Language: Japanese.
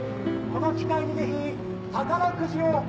この機会にぜひ宝くじを。